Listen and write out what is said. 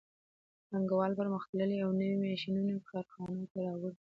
پانګوال پرمختللي او نوي ماشینونه کارخانو ته راوړي